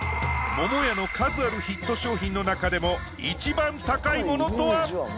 桃屋の数あるヒット商品の中でも一番高いモノとは？